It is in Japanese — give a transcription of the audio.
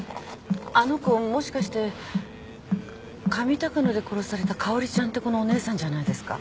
あの子もしかして上高野で殺されたかおりちゃんって子のお姉さんじゃないですか？